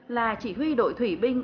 là chỉ huy đội thủy binh